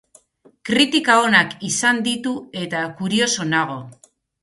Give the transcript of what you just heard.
Kritika onak izan ditu eta kurioso nago.